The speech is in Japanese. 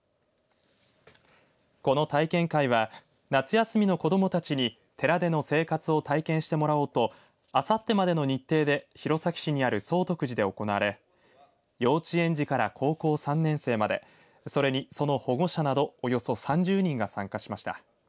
この体験会は夏休みの子どもたちに寺での生活を体験してもらおうとあさってまでの日程で弘前市にある宗徳寺で行われ幼稚園児から高校３年生までそれにその保護者などおよそ３０人が参加しました。